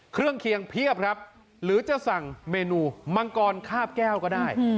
เครื่องเคียงเพียบครับหรือจะสั่งเมนูมังกรคาบแก้วก็ได้